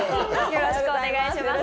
よろしくお願いします。